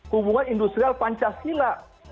hubungan industrial pancasila